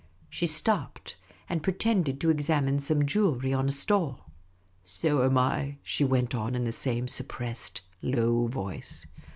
She stopped and pretended to examine some jewellery on a stall. '' So am I, " she went on, in the same suppressed, low v^oice.